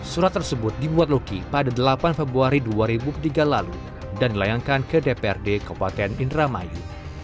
surat tersebut dibuat loki pada delapan februari dua ribu tiga lalu dan dilayangkan ke dprd kabupaten indramayu